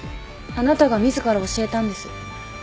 あなたが自ら教えたんです。